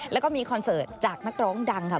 แล้วก็มีคอนเสิร์ตจากนักร้องดังค่ะ